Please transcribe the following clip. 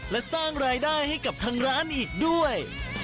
และสร้างรายได้ให้กับทางร้านอีกด้วย